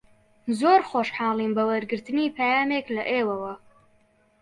زۆر خۆشحاڵین بە وەرگرتنی پەیامێک لە ئێوەوە.